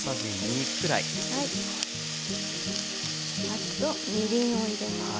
あとみりんを入れます。